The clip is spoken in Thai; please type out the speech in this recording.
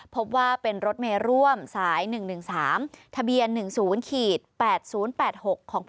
พบว่าเป็นรถเมย์ร่วมสาย๑๑๓ทะเบียน๑๐๘๐๘๖ของ๘